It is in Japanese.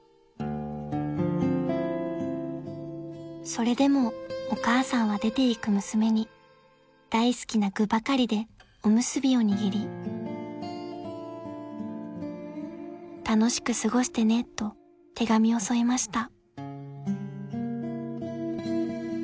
［それでもお母さんは出ていく娘に大好きな具ばかりでおむすびを握り「楽しく過ごしてね」と手紙を添えました］